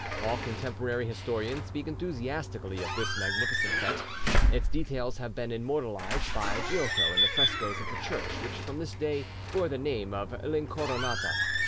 All contemporary historians speak enthusiastically of this magnificent fete. Its details have been immortalised by Giotto in the frescoes of the church which from this day bore the name of L'Incoronata.